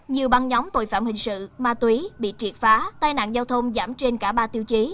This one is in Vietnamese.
nhiều băng nhóm tội phạm hình sự ma túy bị triệt phá tai nạn giao thông giảm trên cả ba tiêu chí